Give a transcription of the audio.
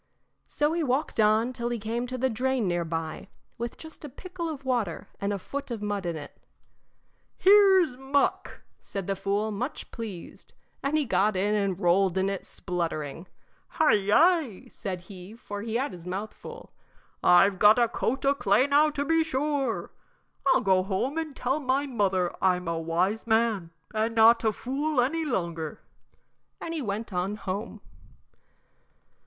So he walked on till he came to the drain near by, with just a pickle of water and a foot of mud in it. "Here's muck," said the fool, much pleased, and he got in and rolled in it spluttering. "Hi, yi!" said he for he had his mouth full "I've got a coat o' clay now to be sure. I'll go home and tell my mother I'm a wise man and not a fool any longer." And he went on home.